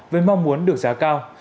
với mong muốn được giá cao